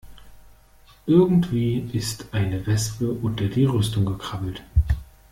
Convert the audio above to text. Irgendwie ist eine Wespe unter die Rüstung gekrabbelt.